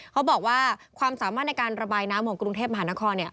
เขาบอกว่าความสามารถในการระบายน้ำของกรุงเทพมหานคร